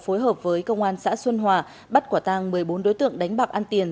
phối hợp với công an xã xuân hòa bắt quả tàng một mươi bốn đối tượng đánh bạc ăn tiền